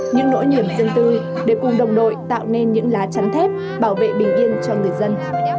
những nỗi niềm dân tư để cùng đồng đội tạo nên những lá chắn thép bảo vệ bình yên cho người dân